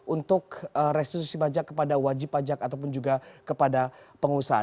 untuk restitusi pajak kepada wajib pajak ataupun juga kepada pengusaha